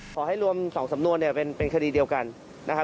ขอให้รวมสองสำนวนเป็นคดีเดียวกันนะครับ